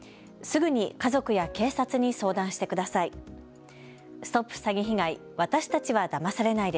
すぐに家族や警察に相談してください。